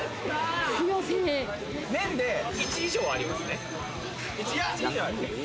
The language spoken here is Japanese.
年で１以上はありますね。